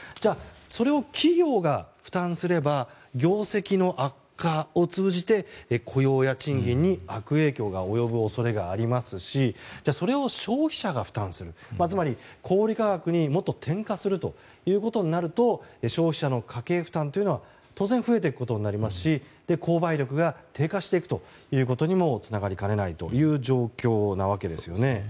それを企業が負担すれば業績の悪化を通じて雇用や賃金に悪影響が及ぶ恐れがありますしそれを消費者が負担するつまり、小売価格にもっと転嫁するということになると消費者の家計負担は当然増えていくことになりますし購買力が低下していくということにもつながりかねないという状況なわけですね。